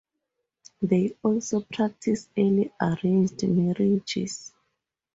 They also practice early arranged marriages.